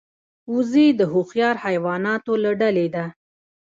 وزې د هوښیار حیواناتو له ډلې ده